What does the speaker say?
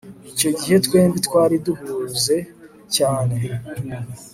icyo gihe twembi twari duhuze cyane